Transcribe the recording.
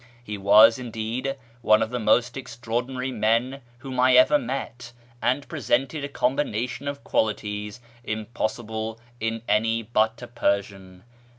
He was, indeed, one of the most extraordinary men whom I ever met, and presented a combination of qualities impossible in any but a Persian.